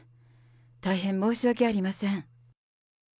大変申し訳ありません。